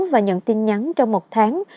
và nhận tin nhắn trong một tháng